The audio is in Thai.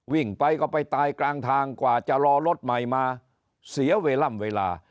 วิ่งไปก็ไปตายกลางทางกว่าจะรอรถใหม่มาเสียเวลา